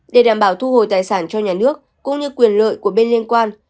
để đảm bảo thu hồi tài sản cho nhà nước cũng như quyền lợi của bên liên quan